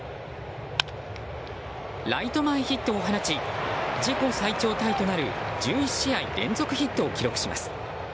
ライト前ヒットを放ち自己最長タイとなる１１試合連続ヒットを記録します。